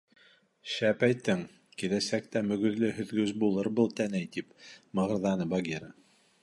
— Шәп әйттең, киләсәктә мөгөҙлө һөҙгөс булыр был тәнәй, — тип мығырҙаны Багира.